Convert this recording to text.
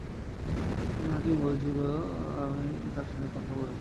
উম্মে হাকীম বলল, হ্যাঁ, আমিই তার সাথে কথা বলেছি।